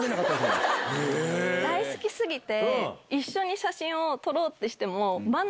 大好き過ぎて。